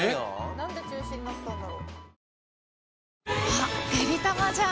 なんで中止になったんだろ。